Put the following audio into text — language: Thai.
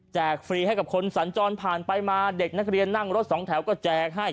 ฟรีให้กับคนสัญจรผ่านไปมาเด็กนักเรียนนั่งรถสองแถวก็แจกให้